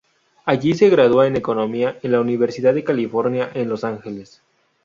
Allí se gradúa en Economía en la Universidad de California en Los Ángeles.